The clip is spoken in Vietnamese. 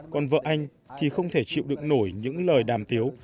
còn vợ anh thì không thể chịu được nổi những lời đàm tiếng